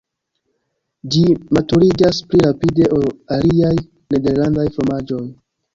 Ĝi maturiĝas pli rapide ol aliaj nederlandaj fromaĝoj.